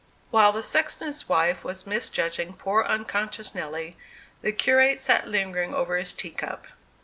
While the sexton's wife was misjudging poor unconscious Nelly, the curate sat lingering over his tea cup.